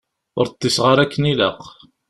Ur ṭṭiseɣ ara akken ilaq.